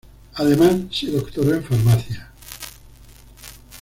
Además se doctoró en Farmacia.